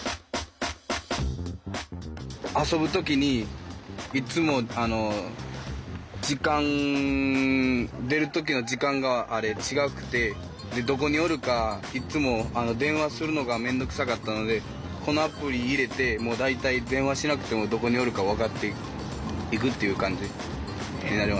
遊ぶ時にいつも時間出る時の時間が違うくてどこにおるかいつも電話するのが面倒くさかったのでこのアプリ入れてもう大体電話しなくてもどこにおるか分かっていくっていう感じになりました。